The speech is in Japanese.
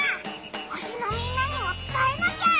星のみんなにもつたえなきゃ！